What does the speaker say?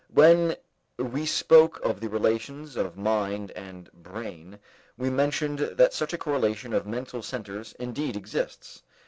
When we spoke of the relations of mind and brain, we mentioned that such a corelation of mental centers indeed exists.